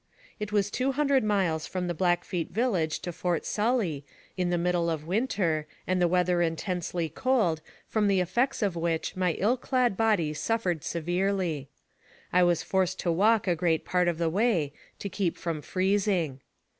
It was two hundred miles from the Blackfeet village to Fort Sully, in the middle of winter, and the weather intensely cold, from the effects of which my ill clad body suffered severely. I was forced to walk a great part of the way, to keep from freezing.